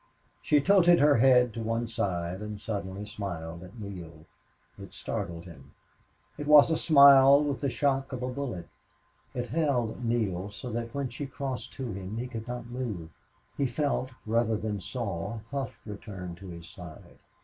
She tilted her head to one side and suddenly smiled at Neale. It startled him. It was a smile with the shock of a bullet. It held Neale, so that when she crossed to him he could not move. He felt rather than saw Hough return to his side.